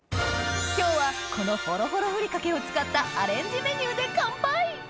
今日はこのホロホロふりかけを使ったアレンジメニューで乾杯！